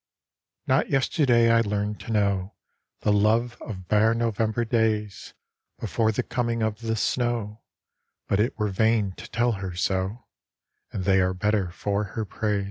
Not yesterday I learned to know The love of bare November days Before the coming of the snow, But it were vain to tell her so, And they are better for her praise.